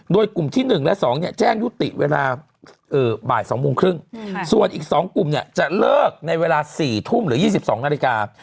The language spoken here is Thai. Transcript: โดยกลุ่มที่๑และ๒แจ้งยุติเวลาบ่าย๒โมงครึ่งส่วนอีก๒กลุ่มเนี่ยจะเลิกในเวลา๔ทุ่มหรือ๒๒นาฬิกา